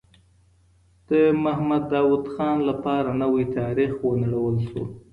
د محمد داوود خان لپاره نوی تاریخ ونړول سو.